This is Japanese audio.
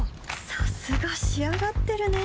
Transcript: さすが仕上がってるね